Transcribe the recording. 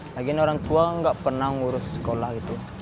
lagian orang tua tidak pernah mengurus sekolah